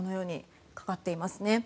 かかっていますね。